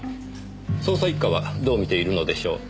捜査一課はどう見ているのでしょう？